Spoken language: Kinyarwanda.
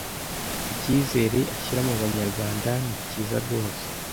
ikizere ashyira mu banyarwanda ni kiza rwose,